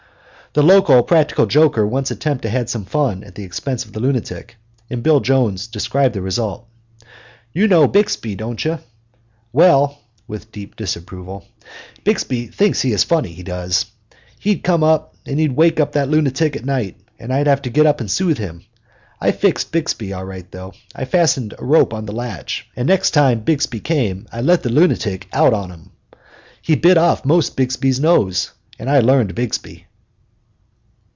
The local practical joker once attempted to have some fun at the expense of the lunatic, and Bill Jones described the result. "You know Bixby, don't you? Well," with deep disapproval, "Bixby thinks he is funny, he does. He'd come and he'd wake that lunatic up at night, and I'd have to get up and soothe him. I fixed Bixby all right, though. I fastened a rope on the latch, and next time Bixby came I let the lunatic out on him. He 'most bit Bixby's nose off. I learned Bixby!"